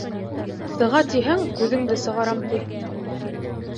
— Сыға тиһәң, күҙеңде сығарам ти.